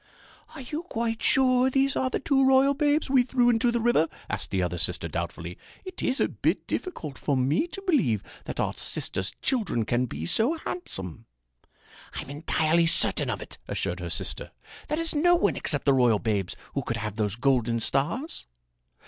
"Are you quite sure these are the two royal babes we threw into the river?" asked the other sister doubtfully. "It is a bit difficult for me to believe that our sister's children can be so handsome." "I'm entirely certain of it," assured her sister. "There is no one except the royal babes who could have those golden stars."